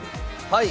はい。